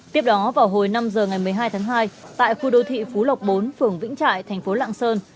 tiếp đó vào hồi năm giờ ngày một mươi hai tháng hai tại khu đô thị phú lộc bốn phường vĩnh trại thành phố lạng sơn